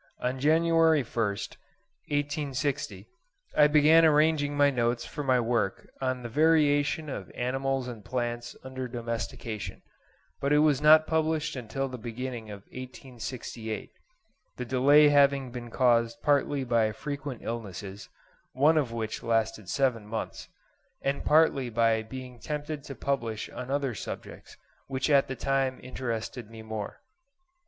On January 1st, 1860, I began arranging my notes for my work on the 'Variation of Animals and Plants under Domestication;' but it was not published until the beginning of 1868; the delay having been caused partly by frequent illnesses, one of which lasted seven months, and partly by being tempted to publish on other subjects which at the time interested me more.